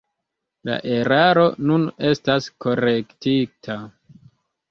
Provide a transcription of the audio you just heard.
La eraro nun estas korektita.